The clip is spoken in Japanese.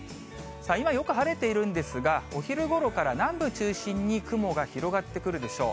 今よく晴れているんですが、お昼ごろから南部中心に雲が広がってくるでしょう。